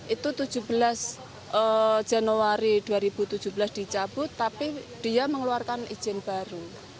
itu tujuh belas januari dua ribu tujuh belas dicabut tapi dia mengeluarkan izin baru